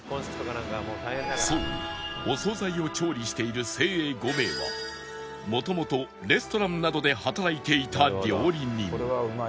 そうお惣菜を調理している精鋭５名は元々レストランなどで働いていた料理人